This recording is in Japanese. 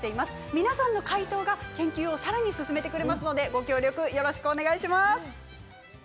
皆さんの回答が研究をさらに進めてくれますのでご協力よろしくお願いします。